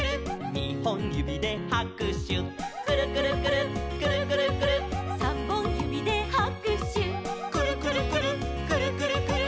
「にほんゆびではくしゅ」「くるくるくるっくるくるくるっ」「さんぼんゆびではくしゅ」「くるくるくるっくるくるくるっ」